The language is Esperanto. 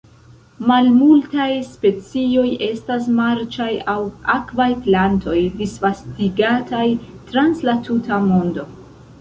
Malmultaj specioj estas marĉaj aŭ akvaj plantoj disvastigataj trans la tuta mondo.